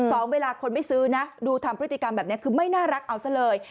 เวลาคนไม่ซื้อนะดูทำพฤติกรรมแบบนี้คือไม่น่ารักเอาซะเลย